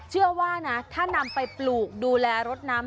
เชื่อว่านะถ้านำไปปลูกดูแลรถน้ำ